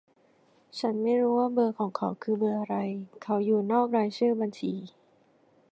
ฉันไม้รู้ว่าเบอร์ของเขาว่าคือเบอร์อะไร เขาอยู่นอกรายชื่อบัญชี